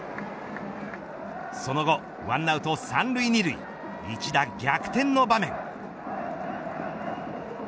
その後１アウト３塁２塁一打逆転の場面。